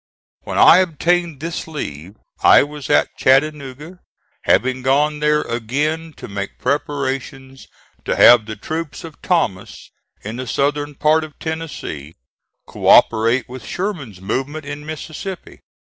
When I obtained this leave I was at Chattanooga, having gone there again to make preparations to have the troops of Thomas in the southern part of Tennessee co operate with Sherman's movement in Mississippi.